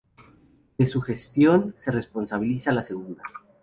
De su gestión se responsabiliza la segunda.